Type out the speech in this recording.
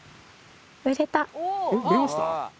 売れました？